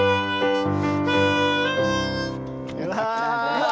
うわ。